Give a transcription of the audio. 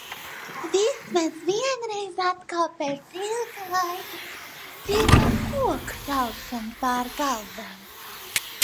Vismaz vienreiz atkal pēc ilga laika dzirdam koku šalkšanu pār galvām.